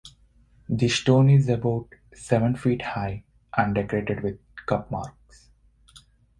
The stone is about seven feet high and decorated with cup marks.